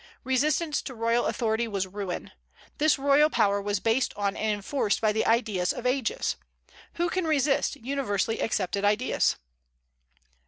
Resistance to royal authority was ruin. This royal power was based on and enforced by the ideas of ages. Who can resist universally accepted ideas?